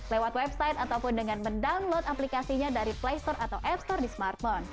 lewat website ataupun dengan mendownload aplikasinya dari play store atau app store di smartphone